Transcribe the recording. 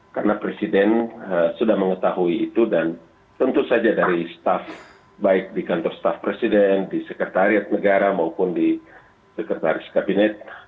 karena presiden sudah mengetahui itu dan tentu saja dari staff baik di kantor staff presiden di sekretariat negara maupun di sekretaris kabinet